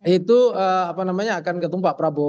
itu apa namanya akan ketumpak prabowo